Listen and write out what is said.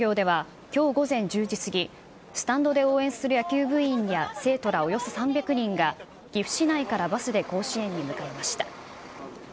県立岐阜商業では、きょう午前１０時過ぎ、スタンドで応援する野球部員や生徒らおよそ３００人が、岐阜市内からバスで甲子園に向かいました。